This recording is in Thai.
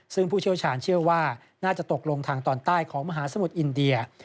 ซึ่งผู้เชี่ยวชาญเชื่อว่าน่าจะตกลงทางตอนใต้ของมหาสมุทรอินเดีย